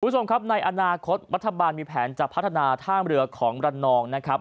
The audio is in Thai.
คุณผู้ชมครับในอนาคตรัฐบาลมีแผนจะพัฒนาท่ามเรือของรันนองนะครับ